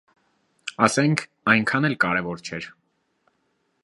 Ասենք, այնքան էլ կարևոր չէր: